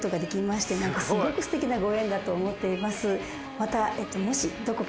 また。